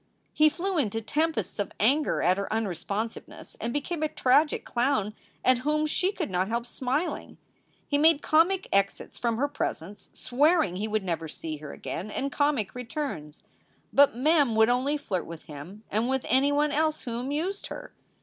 He flew into tempests of anger at her unresponsiveness and became a tragic clown at whom she could not help smiling. He made comic exits from her presence, swearing he would never see her again, and comic returns. But Mem would only flirt with him, and with anyone else who amused her.